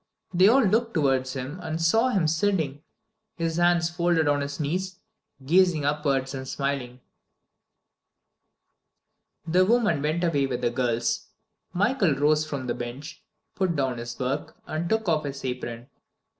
They all looked towards him and saw him sitting, his hands folded on his knees, gazing upwards and smiling. X The woman went away with the girls. Michael rose from the bench, put down his work, and took off his apron.